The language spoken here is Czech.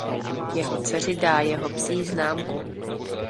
Jeho dceři dá jeho psí známku.